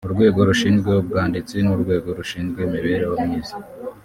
urwego rushinzwe ubwanditsi n'urwego rushinzwe imibereho myiza